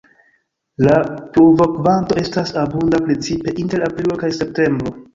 La pluvokvanto estas abunda precipe inter aprilo kaj septembro.